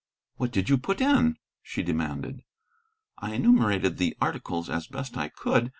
"What did you put in?" she demanded. I enumerated the articles as best I could.